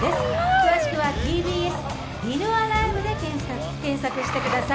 詳しくは「ＴＢＳディノアライブ」で検索してください。